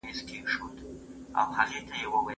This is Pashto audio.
زوی یې تېره اونۍ هغې ته د درملو په اړه پټکه کړې وه.